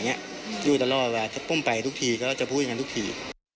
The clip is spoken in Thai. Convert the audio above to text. นี่ตลอดถึงไปต้องกว่าว่าทุกทีเขาก็จะพูดเหมือนกันทุกที